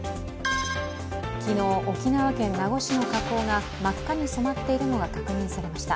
昨日、沖縄県名護市の河口が真っ赤に染まっているのが確認されました。